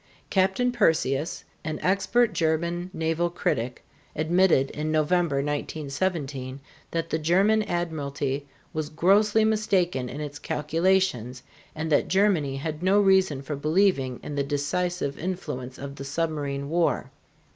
Captain Persius, an expert German naval critic, admitted in November, 1917, that the German admiralty was grossly mistaken in its calculations and that Germany had no reason for believing in the decisive influence of the submarine war.